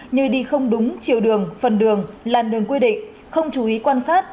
như đi không đúng chiều đường phần đường làn đường quy định không chú ý quan sát